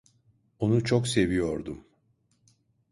Onu çok seviyordum.